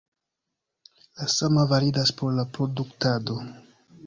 La sama validas por la produktado.